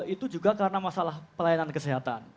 itu juga karena masalah pelayanan kesehatan